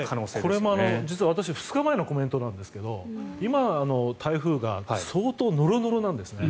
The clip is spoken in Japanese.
実はこれ、私２日前のコメントなんですが今は台風が相当ノロノロなんですね。